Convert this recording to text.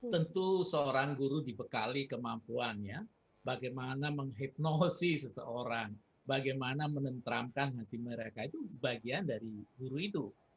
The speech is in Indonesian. tentu seorang guru dibekali kemampuannya bagaimana menghipnosi seseorang bagaimana menentramkan hati mereka itu bagian dari guru itu